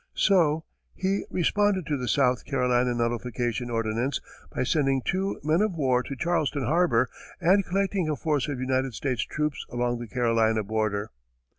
So he responded to the South Carolina nullification ordinance by sending two men of war to Charleston harbor and collecting a force of United States troops along the Carolina border.